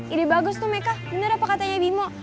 ide bagus tuh meka bener apa katanya bimo